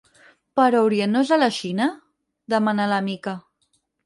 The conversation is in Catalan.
Però Orient no és a la Xina? —demana la Mica.